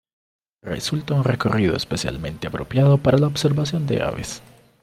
Resulta un recorrido especialmente apropiado para la observación de aves.